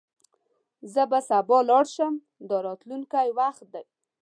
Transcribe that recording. زه به سبا لاړ شم – دا راتلونکی وخت دی.